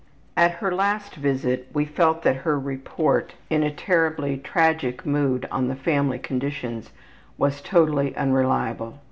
At her last visit we felt that her report in a terribly tragic mood on the family conditions was totally unreliable.